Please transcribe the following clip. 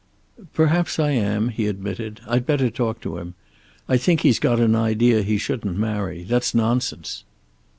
"Perhaps I am," he admitted. "I'd better talk to him. I think he's got an idea he shouldn't marry. That's nonsense."